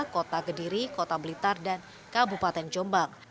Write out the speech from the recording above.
kota kediri kota blitar dan kabupaten jombang